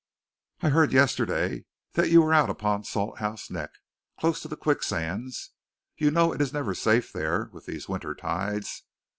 I heard yesterday that you were out upon Salthouse Neck, close to the quicksands. You know it is never safe there, with these winter tides.